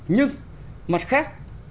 nhưng mặt khác